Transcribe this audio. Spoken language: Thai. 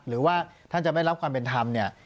หรือว่าท่านจะไม่รับความเป็นธรรมเนี่ย